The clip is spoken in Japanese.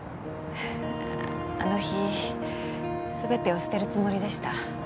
あの日全てを捨てるつもりでした。